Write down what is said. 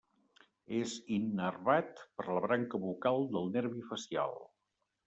És innervat per la branca bucal del nervi facial.